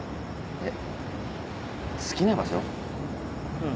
えっ？